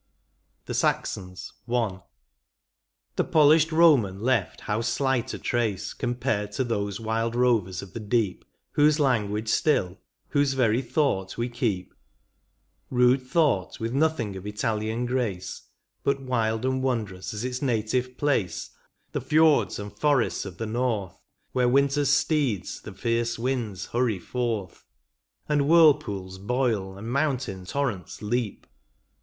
17 VIII. THE SAXONS. — I. The polished Roman left how slight a trace, Compared to those wild rovers of the deep Whose language still, whose very thought we keep ; Rude thought, with nothing of Italian grace, But wild and wonderous as its native place, The fiords and the forests of the north. Where Winter's steeds the fierce winds hurry forth, And whirlpools hoil, and mountain torrents leap.